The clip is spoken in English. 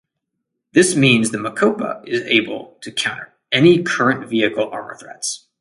This means the Mokopa is able to counter any current vehicle armour threats.